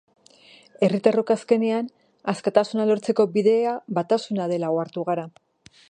Herritarrok, azkenean, askatasuna lortzeko bidea batasuna dela ohartu gara.